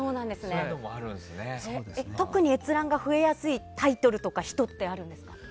特に閲覧が増えやすいタイトルとか人ってあるんですか？